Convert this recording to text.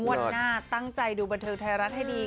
หน้าตั้งใจดูบันเทิงไทยรัฐให้ดี